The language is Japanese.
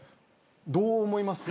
どう思います？